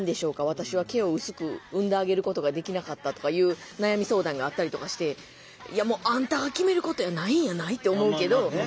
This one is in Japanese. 私は毛を薄く産んであげることができなかった」とかいう悩み相談があったりとかして「いやもうあんたが決めることやないんやない？」って思うけど。